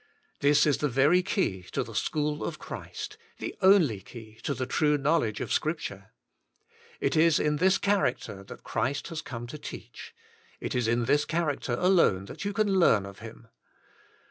This is the very key to the School of Christ, the only key to the true knowledge of Scripture. It is in this character that Christ has come to teach: it is in this character alone you can learn of Him.